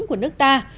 của nước ta